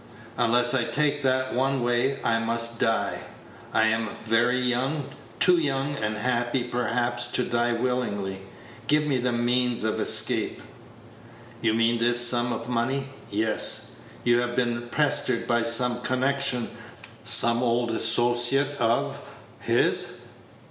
Unless I take that one way, I must die. I am very young too young and happy, perhaps, to die willingly. Give me the means of escape." "You mean this sum of money?" "Yes." "You have been pestered by some connection some old associate of his?"